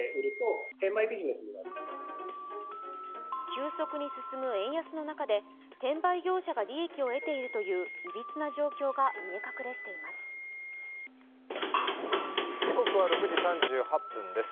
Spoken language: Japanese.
急速に進む円安の中で、転売業者が利益を得ているといういびつな状況が見え隠れしています。